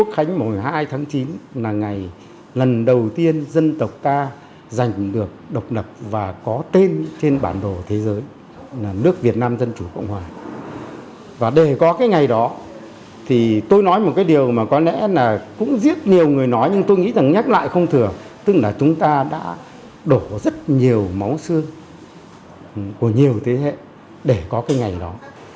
chúng ta đã đổ rất nhiều máu xương của nhiều thế hệ để có cái ngày đó